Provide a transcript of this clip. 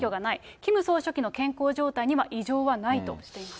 キム総書記の健康状態には異常はないとしています。